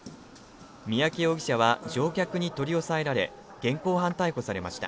三宅容疑者は乗客に取り押さえられ、現行犯逮捕されました。